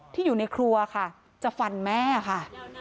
ที่อยู่ในครัวจะฟันแม่ค่ะ